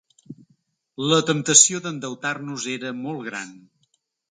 La temptació d’endeutar-nos era molt gran.